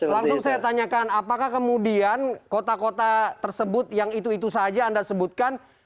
langsung saya tanyakan apakah kemudian kota kota tersebut yang itu itu saja anda sebutkan